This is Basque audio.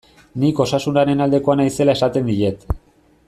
Nik Osasunaren aldekoa naizela esaten diet.